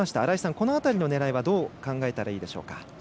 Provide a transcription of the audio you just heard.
この辺りの狙いはどう考えたらいいでしょうか。